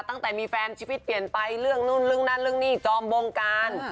ตั้งแต่มีแฟนชีวิตเปลี่ยนไปเรื่องนู่นนั่นนี่จอมวงการ